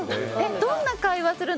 どんな会話するの？